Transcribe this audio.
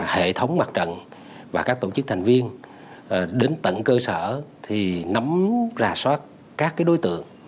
hệ thống mặt trận và các tổ chức thành viên đến tận cơ sở thì nắm rà soát các đối tượng